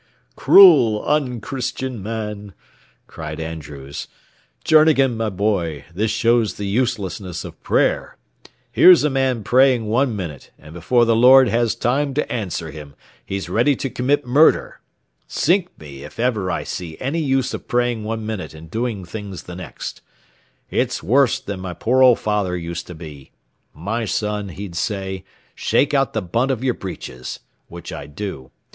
"Cruel, unchristian man!" cried Andrews. "Journegan, my boy, this shows the uselessness of prayer. Here's a man praying one minute, and before the Lord has time to answer him he's ready to commit murder. Sink me, if ever I did see any use of praying one minute and doing things the next. It's wrorse than my pore old father used to be. 'My son,' he'd say, 'shake out the bunt of yer breeches,' which I'd do.